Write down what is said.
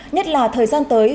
nhất là thời gian tới